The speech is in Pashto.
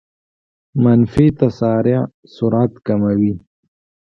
منفي تسارع سرعت کموي.